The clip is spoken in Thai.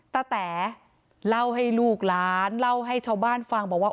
แต๋เล่าให้ลูกหลานเล่าให้ชาวบ้านฟังบอกว่า